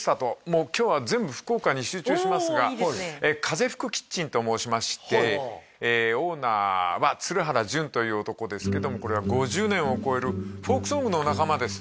もう今日は全部福岡に集中しますが風ふくｋｉｔｃｈｅｎと申しましてオーナーは鶴原潤という男ですけどもこれは５０年を超えるフォークソングの仲間です